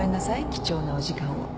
貴重なお時間を。